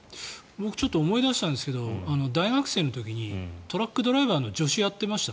僕ちょっと思い出したんですけど大学生の時にトラックドライバーの助手をやってました。